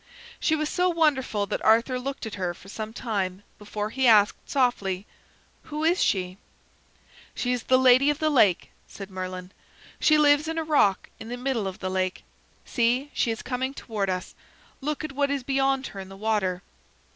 She was so wonderful that Arthur looked at her for some time before he asked softly: "Who is she?" [Illustration: Arthur and the Lady of the Lake] "She is the Lady of the Lake," said Merlin. "She lives in a rock in the middle of the lake. See, she is coming toward us. Look at what is beyond her in the water."